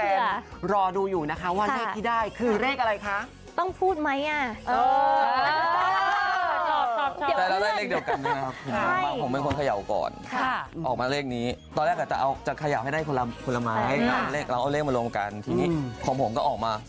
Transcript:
เออนะคะแฟนรอดูอยู่นะคะว่าเลขที่ได้คือเลขอะไรคะ